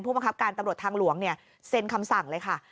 บังคับการตำรวจทางหลวงเซ็นคำสั่งเลยค่ะ